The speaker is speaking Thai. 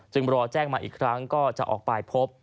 รอแจ้งมาอีกครั้งก็จะออกไปพบ